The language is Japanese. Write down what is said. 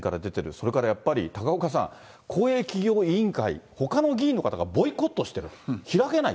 それからやっぱり高岡さん、公営企業委員会、ほかの議員の方がボイコットしている、開けない。